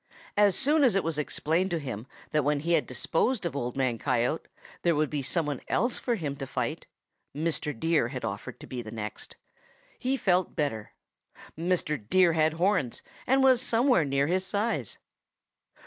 As soon as it was explained to him that when he had disposed of Old Man Coyote there would be some one else for him to fight (Mr. Deer had offered to be the next), he felt better. Mr. Deer had horns and was somewhere near his size.